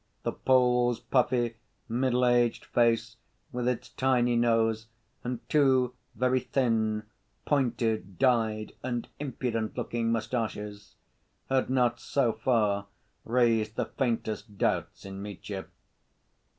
The Pole's puffy, middle‐aged face, with its tiny nose and two very thin, pointed, dyed and impudent‐looking mustaches, had not so far roused the faintest doubts in Mitya.